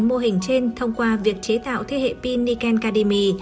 mô hình trên thông qua việc chế tạo thế hệ pin niken cademy